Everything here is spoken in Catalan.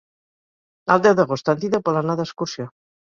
El deu d'agost en Dídac vol anar d'excursió.